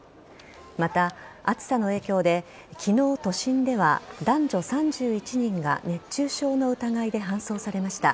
また、暑さの影響で昨日、都心では男女３１人が熱中症の疑いで搬送されました。